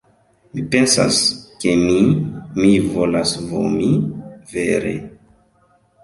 Mi pensas, ke mi... mi volas vomi... vere.